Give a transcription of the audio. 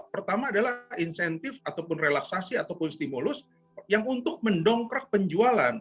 pertama adalah insentif ataupun relaksasi ataupun stimulus yang untuk mendongkrak penjualan